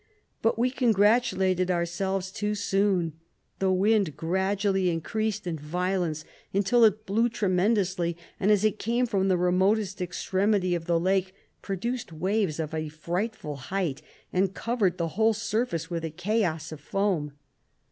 But we congratulated ourselves too soon: the wind gradually increased in violence, until it blew tremendously ; and as it came from the remotest ex tremity of the lake, produced waves of a frightful height, and covered the whole surface with a chaos of foam.